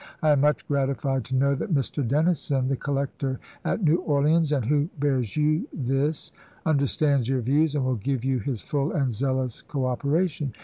I am much gratified to know that Mr. Dennison, the collector at New Orleans, and who bears you this, understands your views and will give you his full and zealous cooperation.